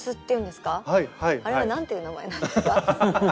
あれは何て言う名前なんですか？